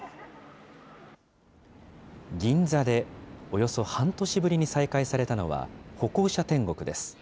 銀座でおよそ半年ぶりに再開されたのは、歩行者天国です。